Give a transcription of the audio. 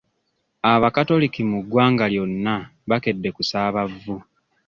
Abakatoliki mu ggwanga lyonna bakedde kusaaba vvu.